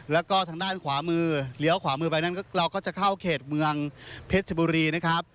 แล้วก็ทางด้านขวามือเลี้ยวขวามือไปนั้นเราก็จะเข้าเขตเมืองเพชรชบุรีนะครับ